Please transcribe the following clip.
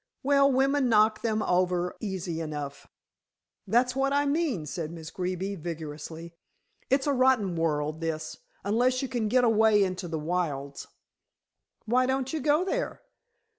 "Well, women knock them over easy enough." "That's what I mean," said Miss Greeby, vigorously. "It's a rotten world, this, unless one can get away into the wilds." "Why don't you go there?"